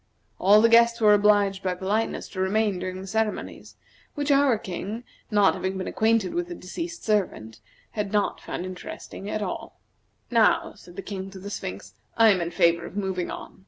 All the guests were obliged by politeness to remain during the ceremonies, which our King, not having been acquainted with the deceased servant, had not found at all interesting. "Now," said the King to the Sphinx, "I am in favor of moving on.